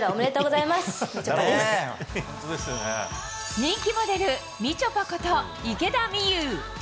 人気モデルみちょぱこと池田美優。